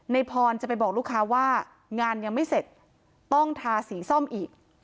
พรจะไปบอกลูกค้าว่างานยังไม่เสร็จต้องทาสีส้มอีก